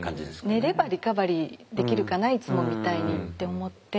「寝ればリカバリーできるかないつもみたいに」って思って。